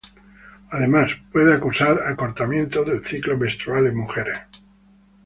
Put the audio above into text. Además, puede causar acortamiento del ciclo menstrual en mujeres.